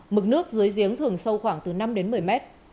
mực nước dưới giếng thường sâu khoảng từ năm đến một mươi mét